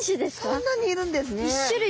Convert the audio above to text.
そんなにいるんですね。